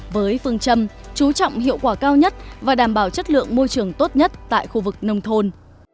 với phương châm chú trọng hiệu quả cao nhất và đảm bảo chất lượng môi trường tốt nhất tại khu vực nông thôn